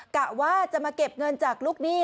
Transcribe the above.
กะว่าจะมาเก็บเงินจากลูกหนี้